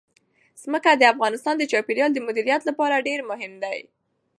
ځمکه د افغانستان د چاپیریال د مدیریت لپاره ډېر مهم دي.